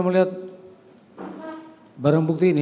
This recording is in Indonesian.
karena hidrolokasi dalam plastik seperti ini